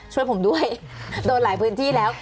ช่วยผมด้วยโดนหลายพื้นที่แล้ว